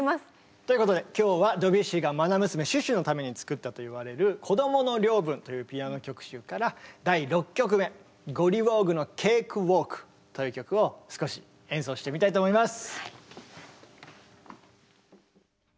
ということで今日はドビュッシーが愛娘シュシュのために作ったといわれる「こどもの領分」というピアノ曲集から第６曲目「ゴリウォーグのケークウォーク」という曲を少し演奏してみたいと思います。